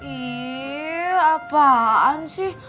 ih apaan sih